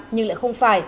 nhưng lại không phải